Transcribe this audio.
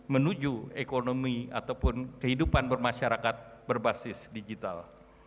menuju ekonomi ataupun kehidupan bermasyarakat berbasis digital